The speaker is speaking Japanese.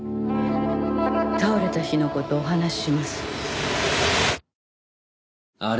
倒れた日の事お話しします。